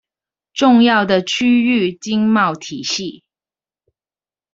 重要的區域經貿體系